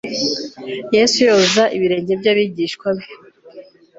yesu yoza ibirenge by'abigishwa be